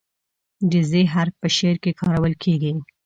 د "ذ" حرف په شعر کې کارول کیږي.